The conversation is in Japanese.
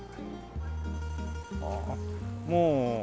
ああもう。